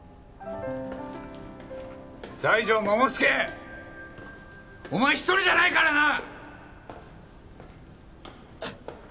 西条桃介！お前一人じゃないからな！